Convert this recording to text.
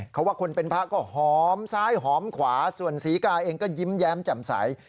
เขาว่าคนเป็นพระก็หอมซ้ายหอมขวาส่วนศรีกาเองก็ยิ้มแย้มแจ่มใส